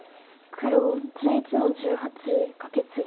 黒１１の十八カケツギ。